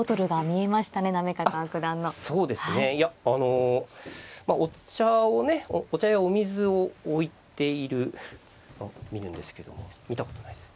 いやあのお茶をねお茶やお水を置いている見るんですけども見たことないです。